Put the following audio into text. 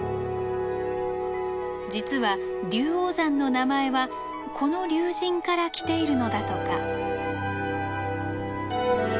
実は「龍王山」の名前はこの龍神から来ているのだとか。